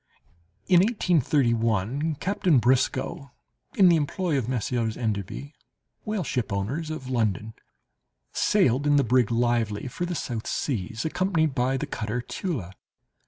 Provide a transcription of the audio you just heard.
In 1831, Captain Briscoe, in the employ of the Messieurs Enderby, whale ship owners of London, sailed in the brig Lively for the South Seas, accompanied by the cutter Tula.